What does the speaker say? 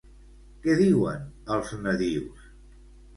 Què diuen els nadius?